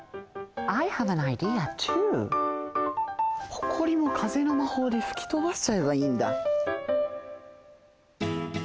ほこりもかぜのまほうでふきとばしちゃえばいいんだ。